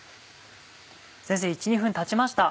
先生１２分経ちました。